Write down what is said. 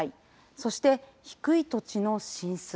そして低い土地の浸水。